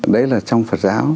đấy là trong phật giáo